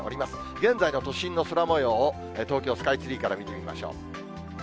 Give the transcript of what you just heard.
現在の都心の空もようを東京スカイツリーから見てみましょう。